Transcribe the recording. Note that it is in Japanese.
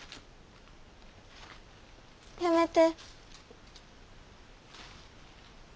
やめて。